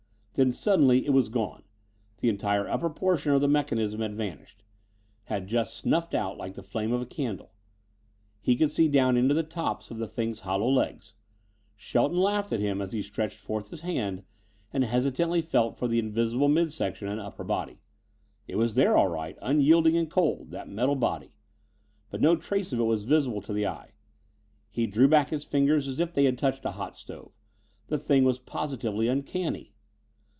Then suddenly it was gone. The entire upper portion of the mechanism had vanished; had just snuffed out like the flame of a candle. He could see down into the tops of the thing's hollow legs. Shelton laughed at him as he stretched forth his hand and hesitatingly felt for the invisible mid section and upper body. It was there all right, unyielding and cold, that metal body. But no trace of it was visible to the eye. He drew back his fingers as if they had touched a hot stove. The thing was positively uncanny.